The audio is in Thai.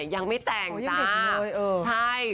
ยังไม่แต่งตลาด